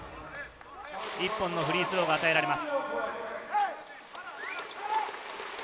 １本のフリースローが与えられます。